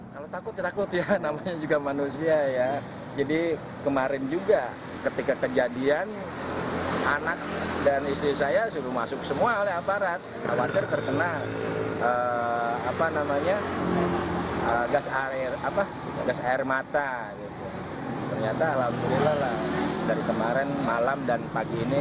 sebelumnya resah dan takut sudah mulai kondusif